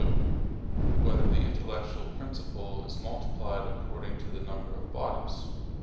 2] Whether the Intellectual Principle Is Multiplied According to the Number of Bodies?